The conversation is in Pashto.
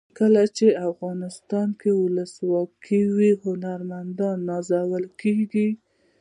کله چې افغانستان کې ولسواکي وي هنرمندان نازول کیږي.